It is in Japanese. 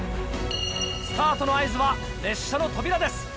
スタートの合図は列車の扉です。